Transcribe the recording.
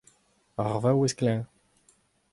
Ar vaouez klañv.